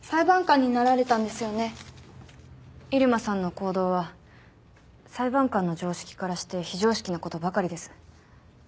入間さんの行動は裁判官の常識からして非常識なことばかりです。